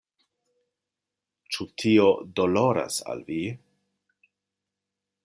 Ĉu tio doloras al vi?